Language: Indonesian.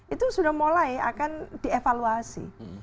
itu sudah mulai akan dievaluasi